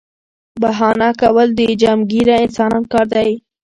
بهانه کول د چمګیره انسان کار دی